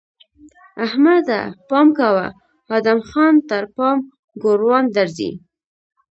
احمده! پام کوه؛ ادم خان تر پام ګوروان درځي!